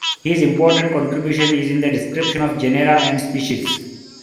His most important contribution is in the description of genera and species.